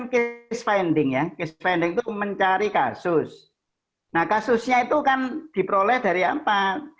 ke spending yang ke spending mencari kasus nah kasusnya itu kan diperoleh dari apa